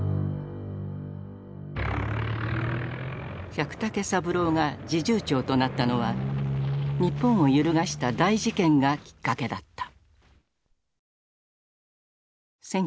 百武三郎が侍従長となったのは日本を揺るがした大事件がきっかけだった。